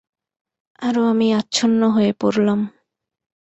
আরো আমি আচ্ছন্ন হয়ে পড়লাম।